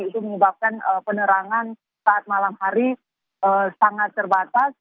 itu menyebabkan penerangan saat malam hari sangat terbatas